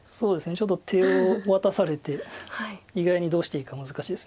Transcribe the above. ちょっと手を渡されて意外にどうしていいか難しいです。